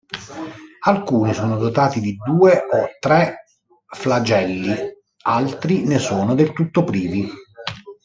Alcuni sono dotati di due o tre flagelli altri ne sono del tutto privi.